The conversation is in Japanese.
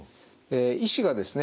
医師がですね